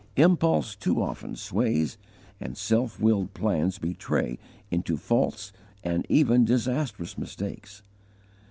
Impulse too often sways, and self willed plans betray into false and even disastrous mistakes.